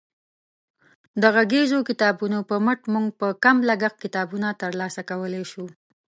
د غږیزو کتابونو په مټ موږ په کم لګښت کتابونه ترلاسه کولی شو.